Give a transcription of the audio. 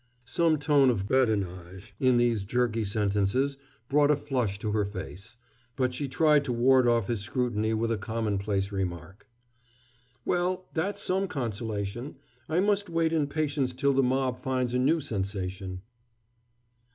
Some tone of badinage in these jerky sentences brought a flush to her face, but she tried to ward off his scrutiny with a commonplace remark. "Well, that's some consolation. I must wait in patience till the mob finds a new sensation."